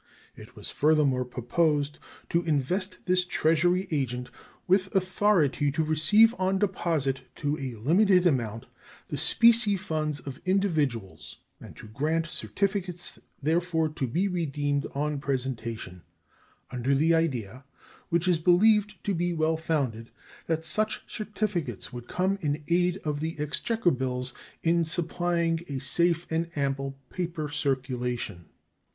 It was furthermore proposed to invest this Treasury agent with authority to receive on deposit to a limited amount the specie funds of individuals and to grant certificates therefor to be redeemed on presentation, under the idea, which is believed to be well founded, that such certificates would come in aid of the exchequer bills in supplying a safe and ample paper circulation.